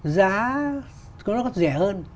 giá nó có rẻ hơn